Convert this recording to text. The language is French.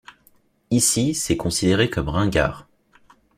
Ici, c’est considéré comme ringard.